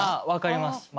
分かります。